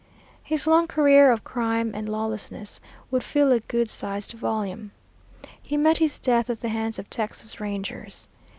His long career of crime and lawlessness would fill a good sized volume. He met his death at the hands of Texas Rangers.